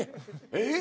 えっ！